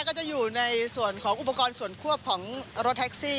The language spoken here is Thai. ก็จะอยู่ในส่วนของอุปกรณ์ส่วนควบของรถแท็กซี่